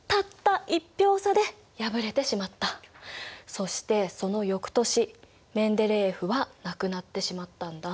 そしてその翌年メンデレーエフは亡くなってしまったんだ。